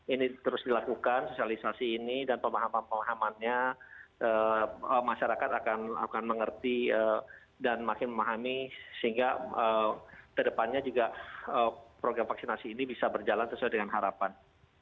ini terus dilakukan sosialisasi ini dan pemahaman pemahamannya masyarakat akan mengerti dan makin memahami sehingga kedepannya juga program vaksinasi ini bisa berjalan sesuai dengan harapan